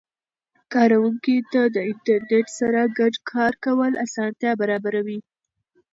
کاروونکو ته د انټرنیټ سره ګډ کار کول اسانتیا برابر وي.